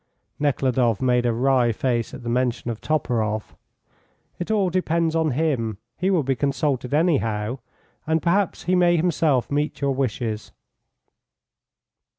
Nekhludoff made a wry face at the mention of Toporoff. "It all depends on him. He will be consulted, anyhow. And perhaps he may himself meet your wishes."